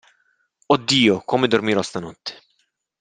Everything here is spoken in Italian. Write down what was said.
Oh Dio, come dormirò stanotte!